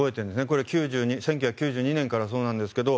これは１９９２年からそうなんですけど。